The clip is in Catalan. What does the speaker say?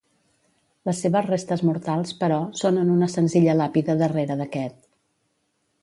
Les seves restes mortals, però, són en una senzilla làpida darrera d'aquest.